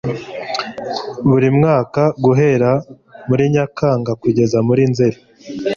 buri mwaka guhera muri nyakanga kugeza muri nzeri